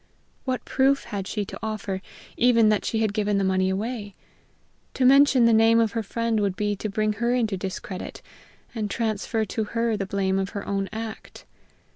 What proof had she to offer even that she had given the money away? To mention the name of her friend would be to bring her into discredit, and transfer to her the blame of her own act.